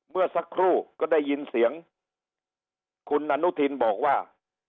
เมื่อสักครู่ก็ได้ยินเสียงคุณอนุทินบอกว่า